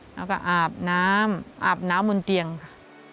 แล้วก็อาบน้ำอาบน้ำบนเตียงค่ะ